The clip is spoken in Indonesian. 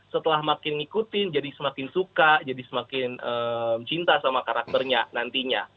setelah makin ngikutin jadi semakin suka jadi semakin cinta sama karakternya nantinya